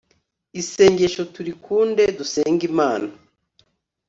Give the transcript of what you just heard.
isengesho turikunde dusenge imana